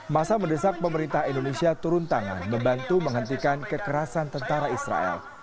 masa mendesak pemerintah indonesia turun tangan membantu menghentikan kekerasan tentara israel